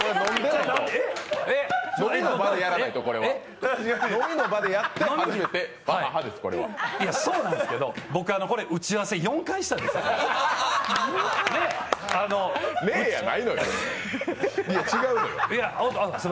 いえ、そうなんですけど、僕これ、打ち合わせ４回したんです。